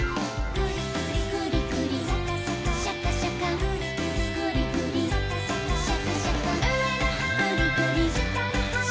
「グリグリシャカシャカ」「グリグリシャカシャカ」「うえのはしたのは」